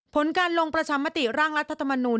ผลการลงประชามติร่างรัฐธรรมนูล